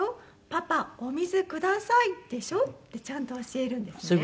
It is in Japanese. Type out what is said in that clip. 「“パパお水ください”でしょ？」ってちゃんと教えるんですね。